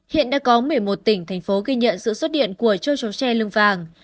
hiện đã có một mươi một tỉnh thành phố ghi nhận sự xuất hiện của châu chấu tre lương vàng